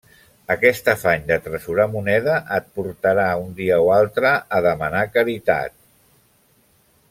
Aquest afany d'atresorar moneda et portarà un dia o altre a demanar caritat!